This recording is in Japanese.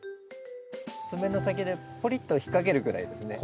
爪の先でポリッと引っ掛けるぐらいですね。